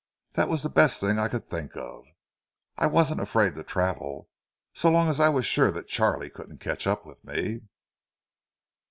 That was the best thing I could think of. I wasn't afraid to travel, so long as I was sure that Charlie couldn't catch up with me."